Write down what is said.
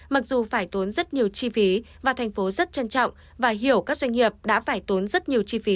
mặc dù phải tốn rất nhiều chi phí và thành phố rất trân trọng và hiểu các doanh nghiệp đã phải tốn rất nhiều chi phí